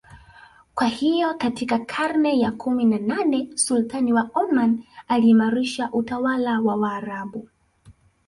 Kwahiyo katika karne ya kumi na nane Sultan wa Oman aliimarisha utawala wa waarabu